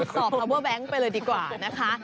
สอบพาเวอร์แบงค์ไปเลยดีกว่านะคะ